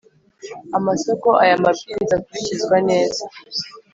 amasoko aya mabwiriza akurikizwa neza